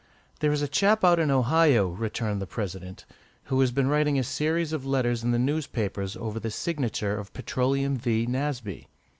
"There is a chap out in Ohio," returned the President, "who has been writing a series of letters in the newspapers over the signature of Petroleum V. Nasby.